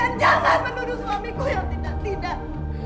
kan jangan menuduh suamiku yang tidak tidak